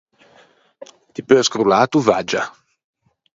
Ti peu scrollâ a tovaggia?